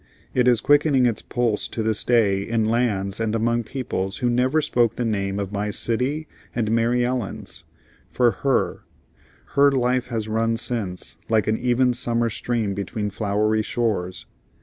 It is quickening its pulse to this day in lands and among peoples who never spoke the name of my city and Mary Ellen's. For her her life has run since like an even summer stream between flowery shores.